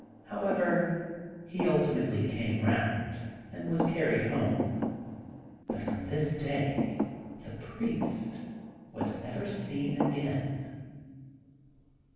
However, he ultimately came round and was carried home; but from this day the priest was never seen again.